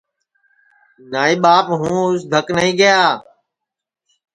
نائی ٻاپ ہوں اُس دھک نائی گئیا